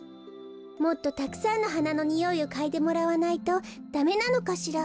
もっとたくさんのはなのにおいをかいでもらわないとダメなのかしら。